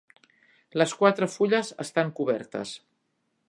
Les quatre fulles estan cobertes.